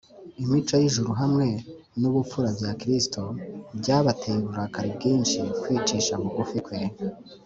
imico y’ijuru hamwe n’ubupfura bya kristo byabateye uburakari bwinshi kwicisha bugufi kwe,